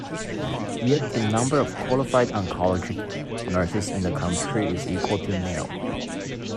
Yet, the number of qualified oncology nurses in the country is equal to nil.